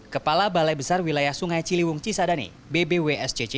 kepala balai besar wilayah sungai ciliwung cisadane bbwscc